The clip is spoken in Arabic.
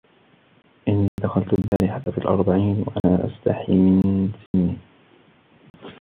إنِّي دَخَلْت الْبَارِحَةَ فِي الْأَرْبَعِينَ وَأَنَا أَسْتَحِي مِنْ سِنِي